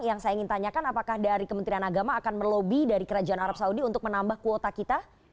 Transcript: yang saya ingin tanyakan apakah dari kementerian agama akan melobi dari kerajaan arab saudi untuk menambah kuota kita